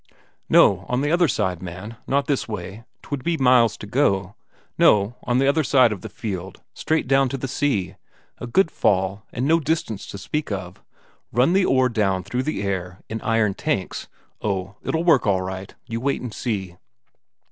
"No, on the other side, man; not this way, 'twould be miles to go. No, on the other side of the fjeld, straight down to the sea; a good fall, and no distance to speak of. Run the ore down through the air in iron tanks; oh, it'll work all right, you wait and see.